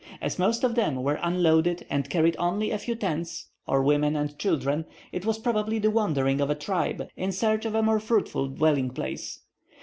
As most of them were unloaded and carried only a few tents, or women and children, it was probably the wandering of a tribe in search of a more fruitful dwelling place.